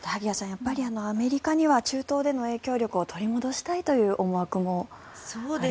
やっぱりアメリカには中東での影響力を取り戻したいという思惑もあるようですね。